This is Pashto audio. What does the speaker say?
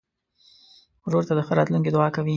ورور ته د ښه راتلونکي دعا کوې.